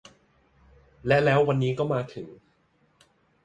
และแล้ววันนี้ก็มาถึง